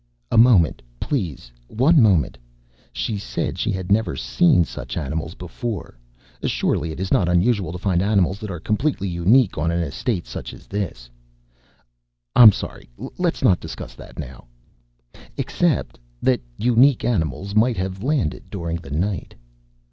"A moment. Please. One moment. She said she had never seen such animals before. Surely it is not usual to find animals that are completely unique on an estate such as this." "I'm sorry. Let's not discuss that now." "Except that unique animals might have landed during the night."